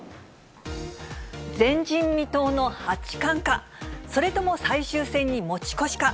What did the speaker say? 前人未到の八冠か、それとも最終戦に持ち越しか。